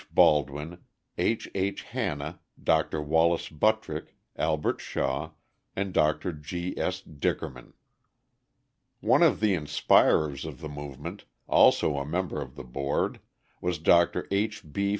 Baldwin, H. H. Hanna, Dr. Wallace Buttrick, Albert Shaw, and Dr. G. S. Dickerman. One of the inspirers of the movement, also a member of the board, was Dr. H. B.